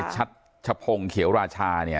ในชพงเขียวราชาเนี่ย